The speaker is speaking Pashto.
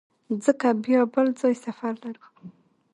ځکه بیا بل ځای سفر لرو.